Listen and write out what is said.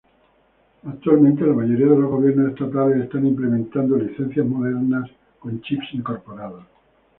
Actualmente, la mayoría de los gobiernos estatales están implementando licencias modernas con chips incorporados.